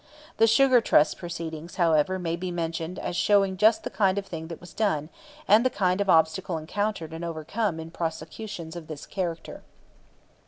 The Sugar Trust proceedings, however, may be mentioned as showing just the kind of thing that was done and the kind of obstacle encountered and overcome in prosecutions of this character.